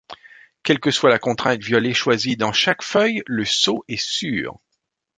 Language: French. Quelle que soit la contrainte violée choisie dans chaque feuille, le saut est sûr.